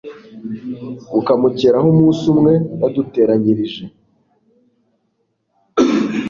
bukamukeraho Umunsi umwe yaduteranyirije